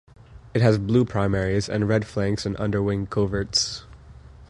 It has blue primaries, and red flanks and underwing coverts.